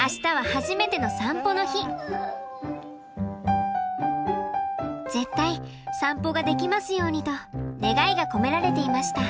明日は絶対散歩ができますようにと願いが込められていました。